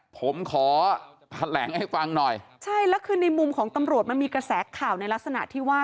ผมขอแถลงให้ฟังหน่อยใช่แล้วคือในมุมของตำรวจมันมีกระแสข่าวในลักษณะที่ว่า